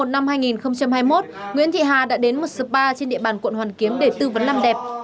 ngày bốn một mươi một hai nghìn hai mươi một nguyễn thị hà đã đến một spa trên địa bàn quận hoàn kiếm để tư vấn làm đẹp